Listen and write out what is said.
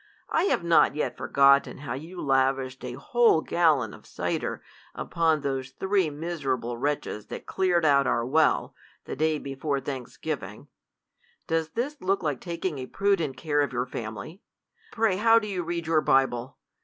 I have not yet forgotten how you lavished a whole gali Ion of cider upon those three miserable wTCtches that cleared out our well, the day before thanksgiving. Does this look like taking a prudent care of your fam ily ? Pray how do you read your Bible